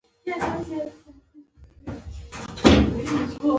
پلار به مې راته ویل بابا دې د فلسطین جنګ ته روان و.